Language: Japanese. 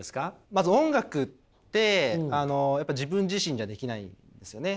まず音楽ってやっぱ自分自身じゃできないんですよね。